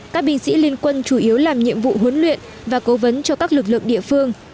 các binh sĩ liên quân chủ yếu làm nhiệm vụ huấn luyện và cố vấn cho các lực lượng địa phương